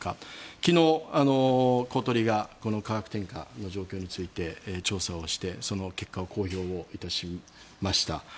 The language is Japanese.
昨日、公取が価格転嫁の状況について調査をしてその結果を公表をいたしました。